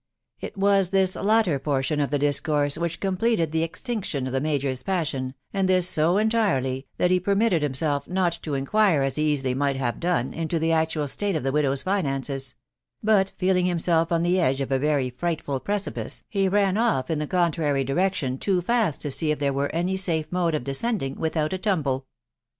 It was Ais latter portion of the discourse which completed the extinction of the majors passion, and this so entirely, that he permitted himself not to inquire, as he easily might have done, into the actual state of the widow's finances ; but, feel ing himself on the edge of a very frightful precipice, he ran off in the contrary direction too fast to see if there were any safe mode of descending without a tumble.